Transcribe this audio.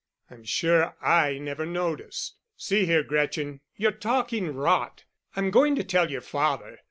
"I'm sure I never noticed. See here, Gretchen, you're talking rot. I'm going to tell your father."